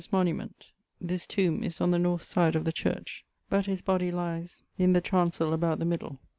Inigo Jones' monument[C] this tombe is on the north side of the church, but his bodie lies in the chancell about the middle.